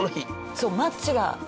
そうマッチが。